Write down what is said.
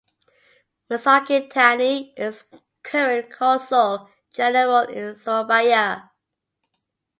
Masaki Tani is current consul general in Surabaya.